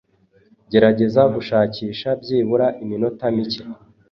gerageza gushakisha byibura iminota mike